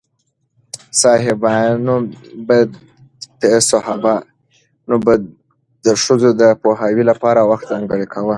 صحابیانو به د ښځو د پوهاوي لپاره وخت ځانګړی کاوه.